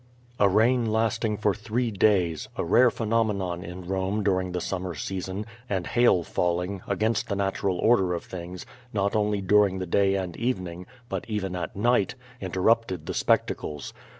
A rain lasting for three days, a rare phenomenon in Rome during the summer season, and hail falling, against the nat ural order of things not only during the day and evening, but oven at night, interrupted the spectacles.